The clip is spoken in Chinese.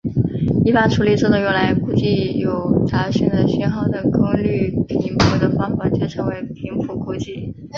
一般处理这种用来估计有杂讯的讯号的功率频谱的方法就称为频谱估计。